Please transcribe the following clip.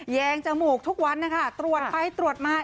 แงงจมูกทุกวันนะคะตรวจไปตรวจมา